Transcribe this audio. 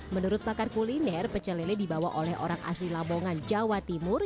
menurut pakar kuliner pecelele dibawa oleh orang asli labongan jawa timur